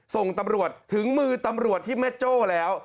ส่งตำรวจถึงมือตำรวจที่แม่โจ้แล้ว